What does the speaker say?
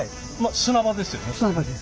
砂場ですよね。